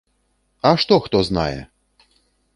А што хто знае?